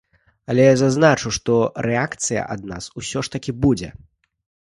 Але зазначу, што рэакцыя ад нас усё ж такі будзе.